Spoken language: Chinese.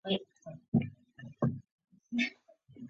他们是成员。